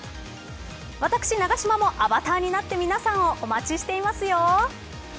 私、永島もアバターになって皆さんをお待ちしていますよ。